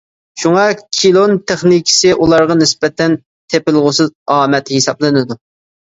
شۇڭا، كىلون تېخنىكىسى ئۇلارغا نىسبەتەن تېپىلغۇسىز ئامەت ھېسابلىنىدۇ.